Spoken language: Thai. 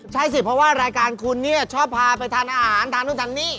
ใช่สิเพราะว่ารายการคุณเนี่ยชอบพาไปทานอาหารทานนู่นทานนี่